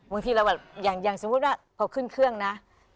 บางทีเราแบบอย่างสมมุติว่าพอขึ้นเครื่องนะ